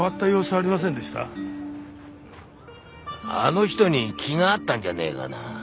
あの人に気があったんじゃねえかな？